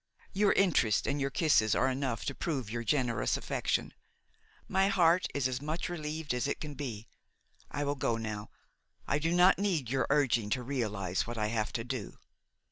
Your interest and your kisses are enough to prove your generous affection; my heart is as much relieved as it can be. I will go now; I do not need your urging to realize what I have to do."